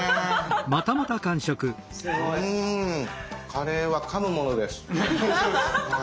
カレーはかむものです。